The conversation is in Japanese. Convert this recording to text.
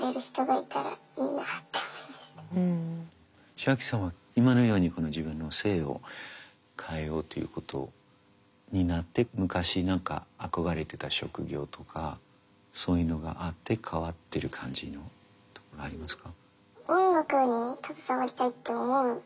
チアキさんは今のようにこの自分の性を変えようということになって昔何か憧れてた職業とかそういうのがあって変わってる感じのとかありますか？